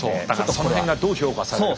その辺がどう評価されるか。